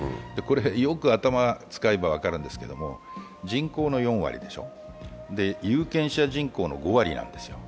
よく頭を使えば分かるんですけど人口の４割でしょ、有権者人口の５割なんですよ。